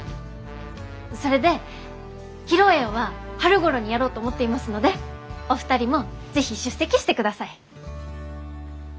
それで披露宴は春ごろにやろうと思っていますのでお二人も是非出席してください！